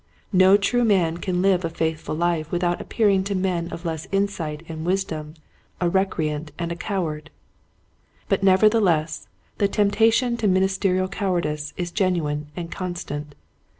No true man can live a faithful life with out appearing to men of less insight and wisdom a recreant and coward. But nevertheless the temptation to min isterial cowardice is genuine and constant.